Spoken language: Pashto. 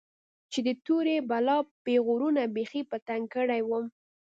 چې د تورې بلا پيغورونو بيخي په تنگ کړى وم.